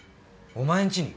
お前んちに？